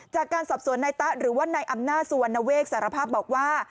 จากการสอบสวนนายตะหรือว่านายอำนาจสุวรรณเวกสารภาพบอกว่า